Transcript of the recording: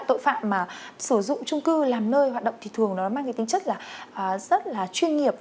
tội phạm mà sử dụng trung cư làm nơi hoạt động thì thường nó mang cái tính chất là rất là chuyên nghiệp